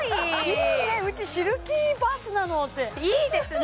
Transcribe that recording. いいねうちシルキーバスなのっていいですね！